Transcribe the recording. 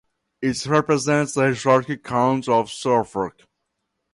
It represents the historic county of Suffolk.